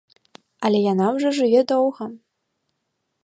Але яна ўжо жыве доўга.